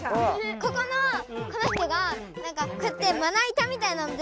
ここのこの人がなんかこうやってまな板みたいなのでつぶしてる。